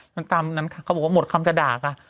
มันตามนั้นค่ะเขาบอกว่าหมดคำจะด่าค่ะ